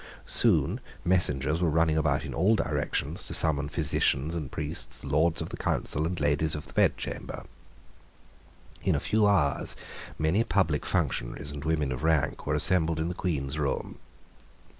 Soon messengers were running about in all directions to summon physicians and priests, Lords of the Council, and Ladies of the Bedchamber. In a few hours many public functionaries and women of rank were assembled in the Queen's room.